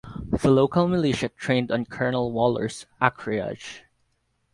The local militia trained on Colonel Waller's acreage.